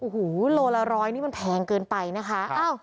โอ้โหโลละร้อยนี่มันแพงเกินไปนะคะ